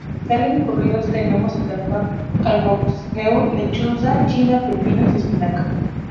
Entre los vegetales encurtidos tenemos al "daikon", albaricoques, nabos, lechuga china, pepinos y espinaca.